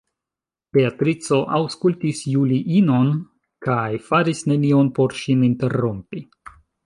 Beatrico aŭskultis Juliinon, kaj faris nenion por ŝin interrompi.